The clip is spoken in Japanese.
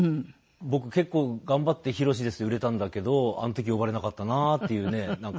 僕結構頑張って「ヒロシです」で売れたんだけどあの時呼ばれなかったなっていうねなんか。